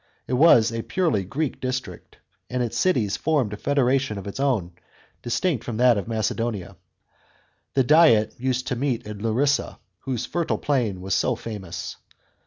It was a purely Greek district, and its cities formed a federation of their own, distinct from that of Macedonia. The diet used to meet in Larisa, whose fertile plain was so famous.